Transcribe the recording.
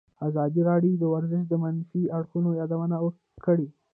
ازادي راډیو د ورزش د منفي اړخونو یادونه کړې.